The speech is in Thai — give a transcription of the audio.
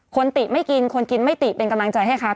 ติไม่กินคนกินไม่ติเป็นกำลังใจให้ครับ